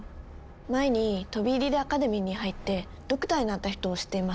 前に飛び入りでアカデミーに入ってドクターになった人を知っています。